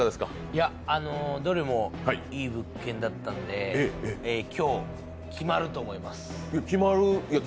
どれもいい物件だったんで、今日、決まると思います。